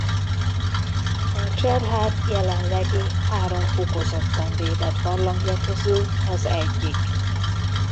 A Cserhát jelenlegi három fokozottan védett barlangja közül az egyik.